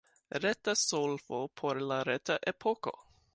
Reta solvo por la reta epoko.